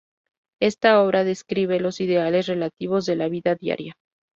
Esta obra describe los ideales relativos a la vida diaria.